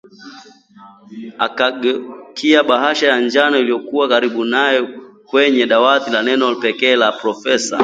akageukia bahasha ya njano iliyokuwa karibu nao kwenye dawati na neno pekee la profesa